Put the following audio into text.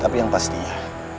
tapi yang pastinya